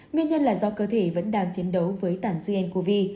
nguyên nhân là do cơ thể vẫn đang chiến đấu với tản dư ncov